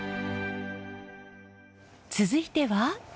続いては。